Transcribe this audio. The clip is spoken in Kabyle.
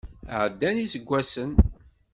Ɛeddan yiseggasen.